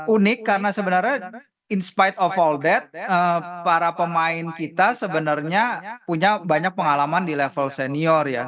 unik karena sebenarnya inspite of all that para pemain kita sebenarnya punya banyak pengalaman di level senior ya